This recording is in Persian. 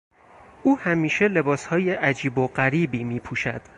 او همیشه لباسهای عجیب و غریبی میپوشد.